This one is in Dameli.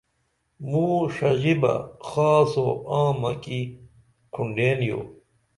موں ݜژی بہ خاص و عامہ کی کُھنڈٰین یو